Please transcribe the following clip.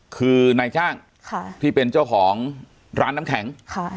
คือนายจ้างที่เป็นเจ้าของร้านน้ำแข็ง